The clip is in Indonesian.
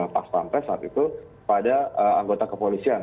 pak stampe saat itu pada anggota kepolisian